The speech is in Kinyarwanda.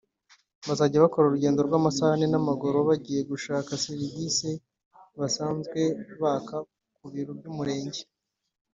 bazajya bakora urugendo rw’amasaha ane n’amaguru bagiye gushaka serivisi basanzwe baka ku biro by’umurenge